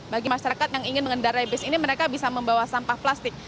bagi masyarakat yang ingin mengendarai bus ini mereka bisa membawa sampah plastik